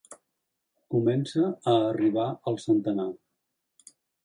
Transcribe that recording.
Comença a arribar al centenar.